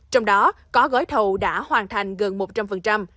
trong đó có gói thầu đã hoàn thành gần một trăm linh